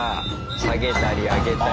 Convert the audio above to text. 下げたり上げたり。